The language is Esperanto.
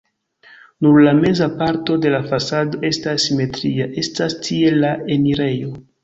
Nur la meza parto de la fasado estas simetria, estas tie la enirejo.